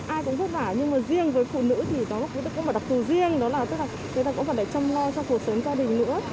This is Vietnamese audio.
ai cũng vất vả nhưng mà riêng với phụ nữ thì nó có một đặc thù riêng đó là tức là người ta cũng còn để chăm lo cho cuộc sống gia đình nữa